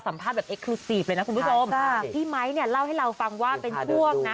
ใช่พี่ไม้เนี่ยเล่าให้เราฟังว่าเป็นช่วงนะ